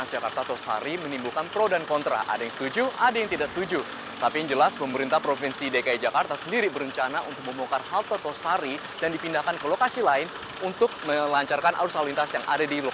jembatan penyeberangan orang